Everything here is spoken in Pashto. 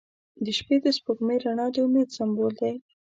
• د شپې د سپوږمۍ رڼا د امید سمبول دی.